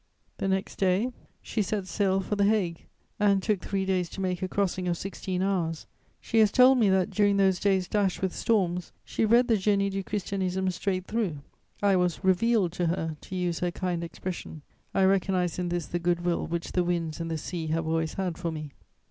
The next day, she set sail for the Hague and took three days to make a crossing of sixteen hours. She has told me that, during those days dashed with storms, she read the Génie du Christianisme straight through; I was "revealed" to her, to use her kind expression: I recognise in this the good will which the winds and the sea have always had for me.